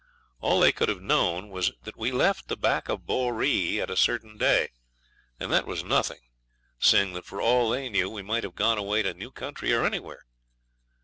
All they could have known was that we left the back of Boree at a certain day; and that was nothing, seeing that for all they knew we might have gone away to new country or anywhere.